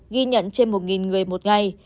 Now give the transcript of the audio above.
ghi nhận trên một người một ngày